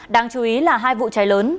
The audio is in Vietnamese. đáng chú ý là hai vụ cháy lớn